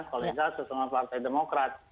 kolega sesama partai demokrat